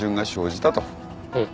ええ。